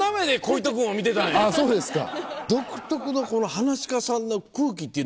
あそうですか。